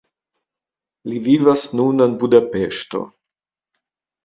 Li vivas nun en Budapeŝto.